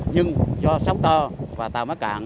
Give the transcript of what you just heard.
nhưng do sóng to và tàu mất cạn